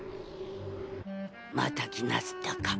また来なすったか？